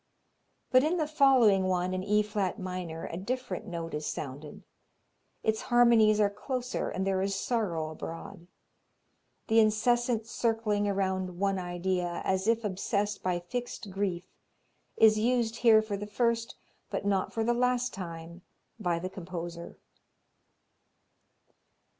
But in the following one in E flat minor a different note is sounded. Its harmonies are closer and there is sorrow abroad. The incessant circling around one idea, as if obsessed by fixed grief, is used here for the first, but not for the last time, by the composer.